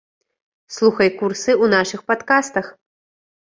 Слухай курсы ў нашых падкастах.